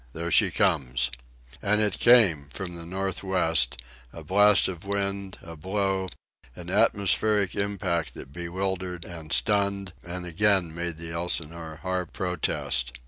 "There she comes." And it came, from the north west, a blast of wind, a blow, an atmospheric impact that bewildered and stunned and again made the Elsinore harp protest.